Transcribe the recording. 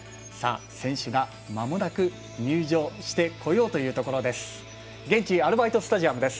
選手がまもなく入場してこようというところです。